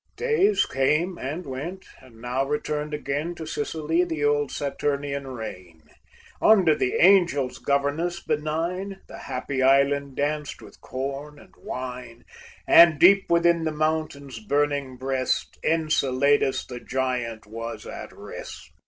Days came and went; and now returned again To Sicily the old Saturnian reign; Under the Angel's governance benign The happy island danced with corn and wine, And deep within the mountain's burning breast Enceladus, the giant, was at rest.